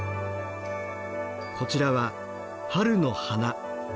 こちらは「春の花」。